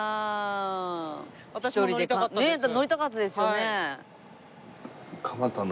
ねえ乗りたかったですよね。